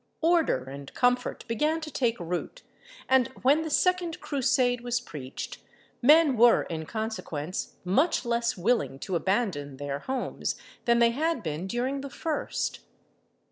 Order and comfort began to take root, and, when the second Crusade was preached, men were in consequence much less willing to abandon their homes than they had been during the first.